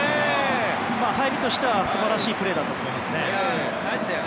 入りとしては素晴らしいプレーだったと思います。